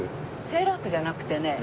セーラー服じゃなくてね